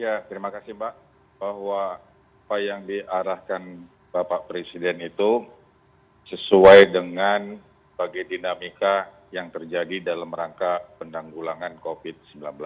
ya terima kasih mbak bahwa apa yang diarahkan bapak presiden itu sesuai dengan bagai dinamika yang terjadi dalam rangka penanggulangan covid sembilan belas